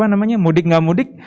apa namanya mudik gak mudik